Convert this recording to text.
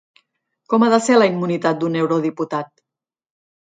Com ha de ser la immunitat d'un eurodiputat?